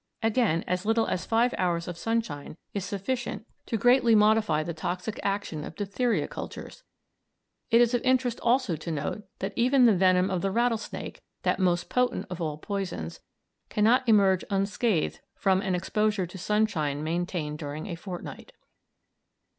Again, as little as five hours' sunshine is sufficient to greatly modify the toxic action of diphtheria cultures. It is of interest also to note that even the venom of the rattlesnake, that most potent of all poisons, cannot emerge unscathed from an exposure to sunshine maintained during a fortnight.